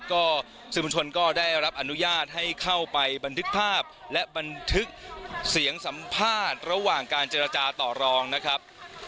ก็สื่อมวลชนก็ได้รับอนุญาตให้เข้าไปบันทึกภาพและบันทึกเสียงสัมภาษณ์ระหว่างการเจรจาต่อรองนะครับ